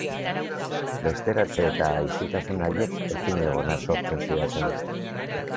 Besteratze eta isiltasun haiek ezinegona sortzen zidaten.